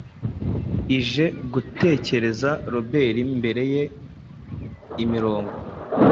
ije gutekereza Robert mbere ye: imirongo